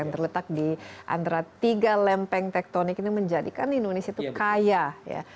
yang terletak di antara tiga lempeng tektonik ini menjadikan indonesia itu kaya ya